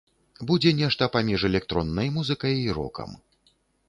Будзе нешта паміж электроннай музыкай і рокам.